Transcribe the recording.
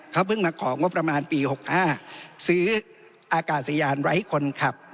เขาเพิ่งมาของงบประมาณปี๖๕ซื้ออากาศยานไว้คนขับ